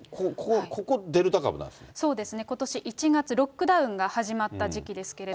ここ、そうですね、ことし１月、ロックダウンが始まった時期ですけれども。